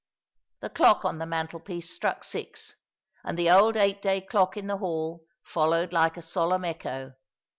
The clock on the mantelpiece struck six, and the old eight day clock in the hall followed like a solemn echo.